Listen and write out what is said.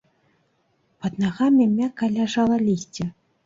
Пад нагамі мякка ляжала лісце.